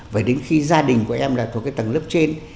và đến khi gia đình của em là thuộc cái tầng lớp trên